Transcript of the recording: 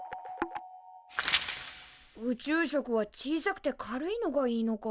宇宙食は小さくて軽いのがいいのか。